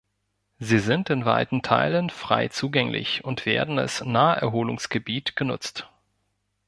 Sie sind in weiten Teilen frei zugänglich und werden als Naherholungsgebiet genutzt.